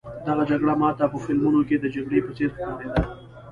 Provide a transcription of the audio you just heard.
دغه جګړه ما ته په فلمونو کې د جګړې په څېر ښکارېده.